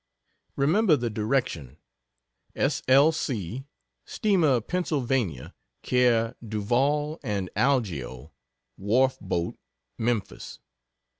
Remember the direction: "S.L.C., Steamer Pennsylvania Care Duval & Algeo, Wharfboat, Memphis."